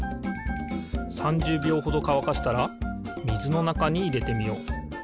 ３０びょうほどかわかしたらみずのなかにいれてみよう。